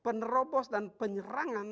penerobos dan penyerangan